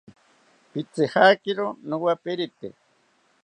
Pitzijakiro nowaperite